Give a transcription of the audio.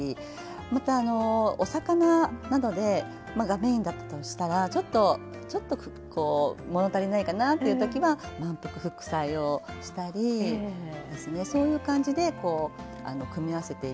またお魚などがメインだったとしたらちょっとこう物足りないかなっていうときは「まんぷく副菜」をしたりですねそういう感じで組み合わせていますかね。